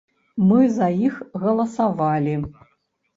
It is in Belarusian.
Мы за іх галасавалі.